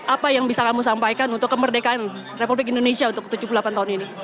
apa yang bisa kamu sampaikan untuk kemerdekaan republik indonesia untuk tujuh puluh delapan tahun ini